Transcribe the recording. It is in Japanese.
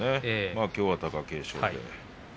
きょうは貴景勝。